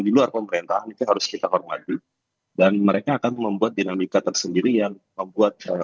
di luar pemerintahan itu harus kita hormati dan mereka akan membuat dinamika tersendiri yang membuat